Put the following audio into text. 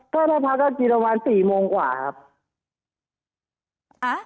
ก็ได้พักก็กินประมาณ๔โมงกว่าครับ